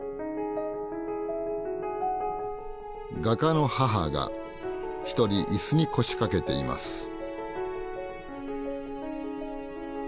画家の母が一人椅子に腰掛けています。